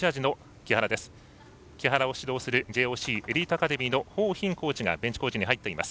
木原を指導するＪＯＣエリートアカデミーのほう斌コーチがベンチコーチに入っています。